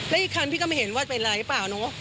และอีกคันพี่ก็ไม่เห็นว่าเป็นไรหรือเปล่าเนอะ